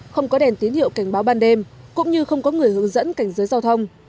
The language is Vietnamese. không có đèn tín hiệu cảnh báo ban đêm cũng như không có người hướng dẫn cảnh giới giao thông